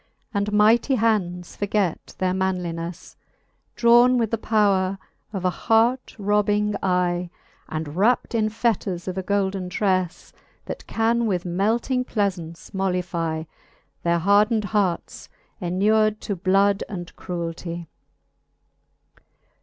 And mighty hands forget their manlinefle ; Drawne with the powre of an heart robbing eye, And wrapt in fetters of a golden trelTe, That can with melting plealaunce moUifye Their hardned hearts, enur'd to bloud and cruelty.